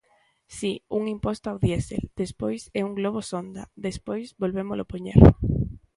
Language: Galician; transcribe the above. Si, un imposto ao diésel, despois é un globo sonda, despois volvémolo poñer.